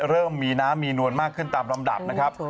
เริ่มมีน้ำมีนวลมากขึ้นตามลำดับนะครับ